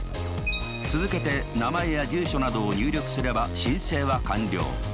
続けて名前や住所などを入力すれば申請は完了。